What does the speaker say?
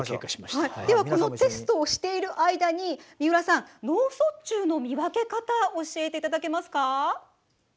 このテストをしている間に三浦さん、脳卒中の見分け方教えていただけますか。